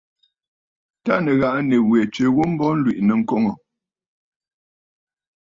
Tâ nɨ̀ghàꞌà nì wè tswe ghu mbo, ǹlwìꞌì nɨ̂ŋkoŋə̀.